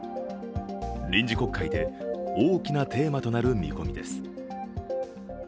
臨時国会で大きなテーマとなる見込みです。